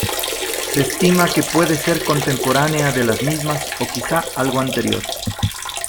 Se estima que puede ser contemporánea de las mismas, o quizá algo anterior.